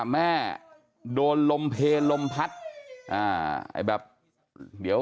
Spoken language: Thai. เป็นมีลูกเลี้ยง